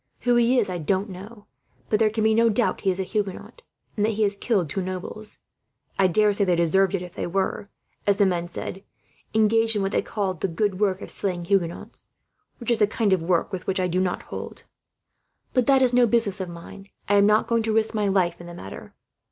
Who he is I don't know, but there can be no doubt he is a Huguenot, and that he has killed two nobles. I daresay they deserved it if they were, as the men said, engaged in what they call the good work of slaying Huguenots; which is a kind of work with which I do not hold. But that is no business of mine I am not going to risk my life in the matter.